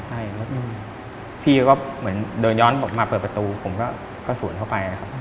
ใช่พี่ก็เหมือนเดินย้อนมาเปิดประตูผมก็สวนเข้าไป